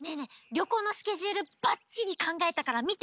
りょこうのスケジュールバッチリかんがえたからみて。